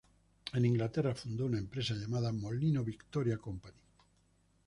En Inglaterra fundó una empresa llamada Molino Victoria Company.